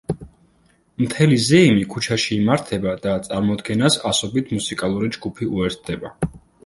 მთელი ზეიმი ქუჩაში იმართება და წარმოდგენას ასობით მუსიკალური ჯგუფი უერთდება.